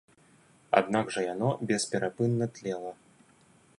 Аднак жа яно бесперапынна тлела.